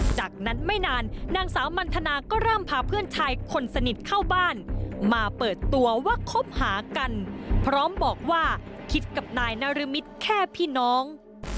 จากนั้นไม่นานนางสาวมันทนาก็เริ่มพาเพื่อนชายคนสนิทเข้าบ้านมาเปิดตัวว่าคบหากันพร้อมบอกว่าคิดกับนายนรมิตแค่พี่น้อง